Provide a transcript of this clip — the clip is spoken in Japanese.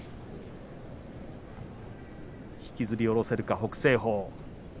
引きずり下ろせるか北青鵬。